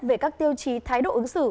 về các tiêu chí thái độ ứng xử